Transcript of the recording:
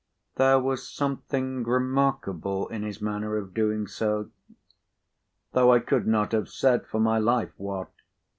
There was something remarkable in his manner of doing so, though I could not have said, for my life, what.